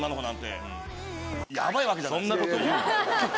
そんなこと言うな。